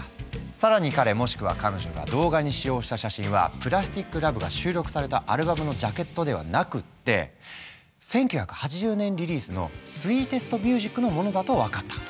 更に彼もしくは彼女が動画に使用した写真は「ＰＬＡＳＴＩＣＬＯＶＥ」が収録されたアルバムのジャケットではなくって１９８０年リリースの「ＳＷＥＥＴＥＳＴＭＵＳＩＣ」のものだと分かった。